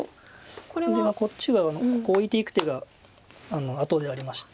これはこっちはここオイていく手が後でありまして。